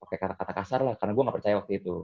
pakai kata kata kasar lah karena gue gak percaya waktu itu